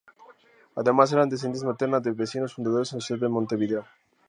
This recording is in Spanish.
Además era descendiente materna de vecinos fundadores de la ciudad de Montevideo.